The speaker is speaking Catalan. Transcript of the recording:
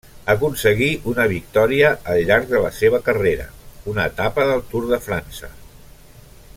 Aconseguí una victòria al llarg de la seva carrera, una etapa del Tour de França.